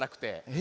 え？